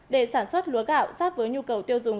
để sản xuất lúa gạo sát với nhu cầu tiêu dùng